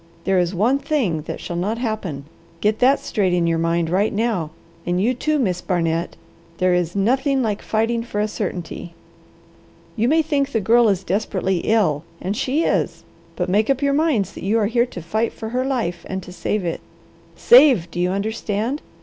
There is one thing shall not happen. Get that straight in your mind, right now. And you too, Miss Barnet! There is nothing like fighting for a certainty. You may think the Girl is desperately ill, and she is, but make up your minds that you are here to fight for her life, and to save it. Save, do you understand?